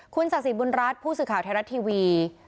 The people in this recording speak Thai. คุณศาสิบุญรัฐผู้สื่อข่าวไทยรัฐทีวี